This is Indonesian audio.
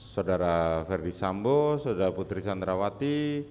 saudara ferdi sambo saudara putri sandrawati